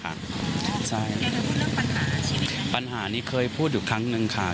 แกเข้พูดเรื่องปัญหาชีวิตปัญหานี้เคยพูดอยู่ครั้งหนึ่งค่ะ